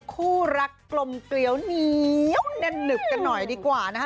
คู่รักกลมเกลียวเหนียวแน่นหนึบกันหน่อยดีกว่านะคะ